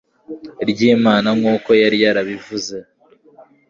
ryimana nkuko yari yarabivuze